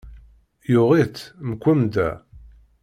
Yuɣ-itt, mkwemmda.